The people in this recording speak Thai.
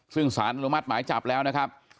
ซึ่งสารอนุมัติหมายจับแล้วนะครับ